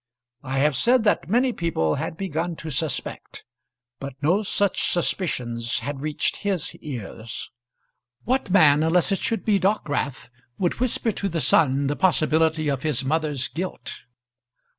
I have said that many people had begun to suspect; but no such suspicions had reached his ears. What man, unless it should be Dockwrath, would whisper to the son the possibility of his mother's guilt?